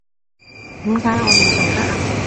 點解我唔做得啊？